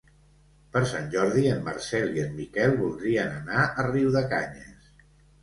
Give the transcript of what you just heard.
Per Sant Jordi en Marcel i en Miquel voldrien anar a Riudecanyes.